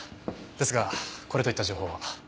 ですがこれといった情報は。